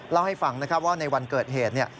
เล่าให้ฟังนะครับว่าในวันเกิดเหตุ